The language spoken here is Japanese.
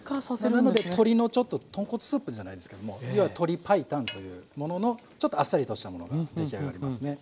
なので鶏のちょっと豚骨スープじゃないですけども要は鶏白湯というもののちょっとあっさりとしたものが出来上がりますね。